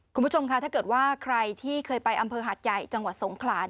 คุณผู้ชมค่ะถ้าเกิดว่าใครที่เคยไปอำเภอหาดใหญ่จังหวัดสงขลาน